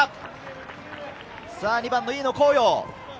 ２番の飯野広陽。